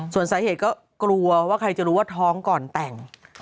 ส่วนสาเหตุก็กลัวว่าใครจะรู้ว่าท้องก่อนแต่ง